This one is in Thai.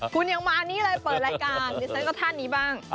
คุณยังมานี่เลยเปิดรายการดิฉันก็ท่านนี้บ้าง